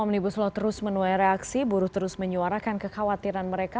omnibus law terus menuai reaksi buruh terus menyuarakan kekhawatiran mereka